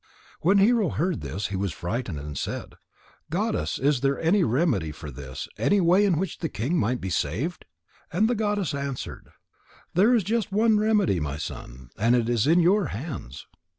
When Hero heard this, he was frightened and said: "Goddess, is there any remedy for this, any way in which the king might be saved?" And the goddess answered: "There is just one remedy, my son, and it is in your hands."